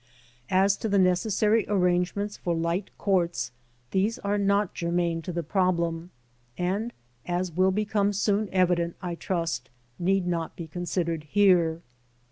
As to the necessary arrangements for light courts, these are not germane to the problem, and, as will become soon evident, I trust, need not be considered here.